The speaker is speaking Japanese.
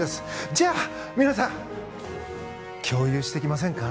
じゃあ皆さん共有していきませんか？